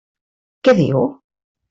Què diu?